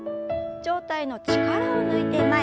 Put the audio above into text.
上体の力を抜いて前。